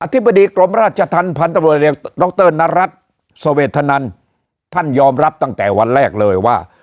ธิบดีกรมราชธรรมพันธบรวจดรนรัฐสเวทนันท่านยอมรับตั้งแต่วันแรกเลยว่า